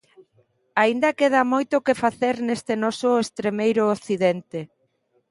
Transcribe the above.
Aínda queda moito que facer neste noso estremeiro occidente.